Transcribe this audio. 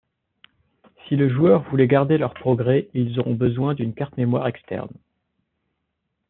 Si le joueur voulait garder leur progrès, ils auront besoin d'une carte mémoire externe.